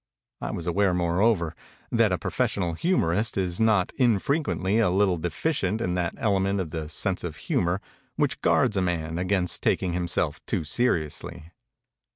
I was aware moreover that a pro fessional humorist is not infrequently a little de ficient in that element of the sense of humor which guards a man against taking himself too seriously.